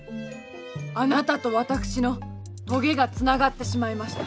あなたと私のとげがつながってしまいました。